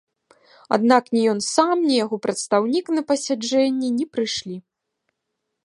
Аднак ні ён сам, ні яго прадстаўнік на пасяджэнні не прыйшлі.